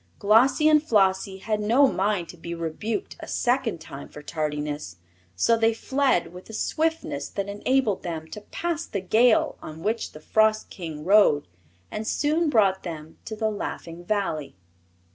Glossie and Flossie had no mind to be rebuked a second time for tardiness, so they fled with a swiftness that enabled them to pass the gale on which the Frost King rode, and soon brought them to the Laughing Valley.